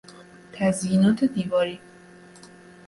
تزیینات دیواری